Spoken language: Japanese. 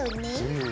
うん。